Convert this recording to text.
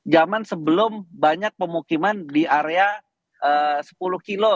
zaman sebelum banyak pemukiman di area sepuluh km